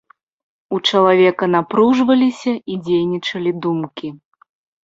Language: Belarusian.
У чалавека напружваліся і дзейнічалі думкі.